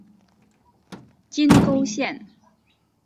金沟线